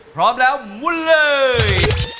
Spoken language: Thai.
พร้อมแล้วมุนเลย